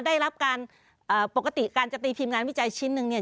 ได้รับการปกติการจะตีพิมพ์งานวิจัยชิ้นหนึ่งเนี่ย